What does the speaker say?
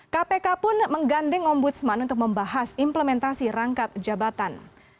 kpk pun menggandeng ombudsman untuk membahas implementasi rangkap jabatan